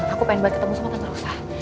aku pengen banget ketemu sama tante rosa